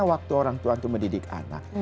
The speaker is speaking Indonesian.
waktu orang tua itu mendidik anak